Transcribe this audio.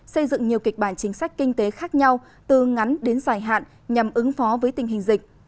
xây dựng nhiều kịch bản chính sách kinh tế khác nhau từ ngắn đến dài hạn nhằm ứng phó với tình hình dịch